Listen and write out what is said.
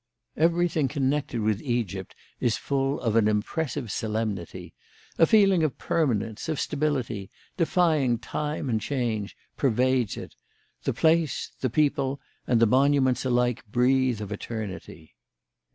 Everything connected with Egypt is full of an impressive solemnity. A feeling of permanence, of stability, defying time and change, pervades it. The place, the people, and the monuments alike breathe of eternity."